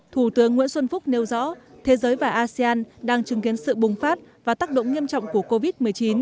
thủ tướng nguyễn xuân phúc nêu rõ thế giới và asean đang chứng kiến sự bùng phát và tác động nghiêm trọng của covid một mươi chín